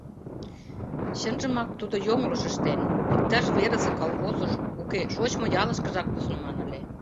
Чынжымак тудо йоҥылыш ыштен, иктаж верысе колхозыш, уке, шочмо ялышкыжак кусныман ыле.